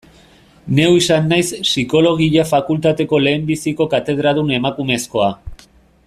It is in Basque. Neu izan naiz Psikologia fakultateko lehenbiziko katedradun emakumezkoa.